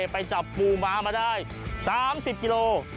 ไปจับปูม้ามาได้๓๐กิโล